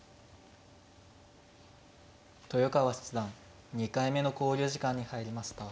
豊川七段２回目の考慮時間に入りました。